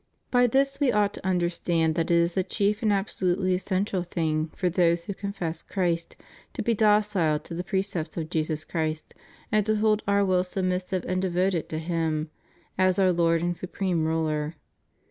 * By this we ought to understand that it is the chief and absolutely essential thing for those who confess Christ to be docile to the precepts of Jesus Christ, and to hold our will submissive and devoted to Him as Our Lord and supreme Ruler.